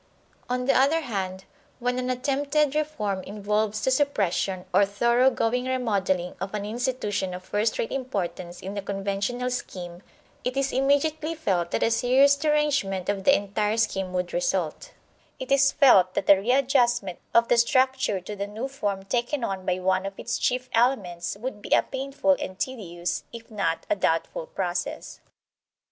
On the other hand, when an attempted reform involves the suppression or thorough going remodelling of an institution of first rate importance in the conventional scheme, it is immediately felt that a serious derangement of the entire scheme would result; it is felt that a readjustment of the structure to the new form taken on by one of its chief elements would be a painful and tedious, if not a doubtful process.